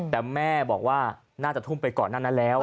แต่แม่บอกว่าน่าจะทุ่มไปก่อนหน้านั้นแล้ว